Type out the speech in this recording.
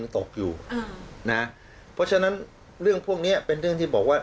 ตกอยู่นะเพราะฉะนั้นเรื่องพวกนี้เป็นเรื่องที่บอกว่า